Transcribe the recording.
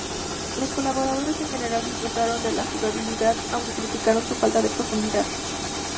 Los colaboradores en general disfrutaron de la jugabilidad, aunque criticaron su falta de profundidad.